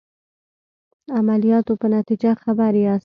عملیاتو په نتیجه خبر یاست.